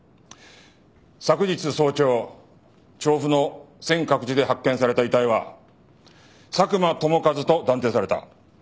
昨日早朝調布の先覚寺で発見された遺体は佐久間友和と断定された。